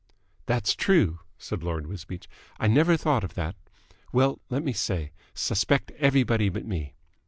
"That's true," said Lord Wisbeach. "I never thought of that. Well, let me say, suspect everybody but me."